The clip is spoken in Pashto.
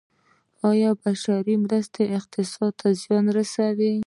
آیا بشري مرستې اقتصاد ته زیان رسوي؟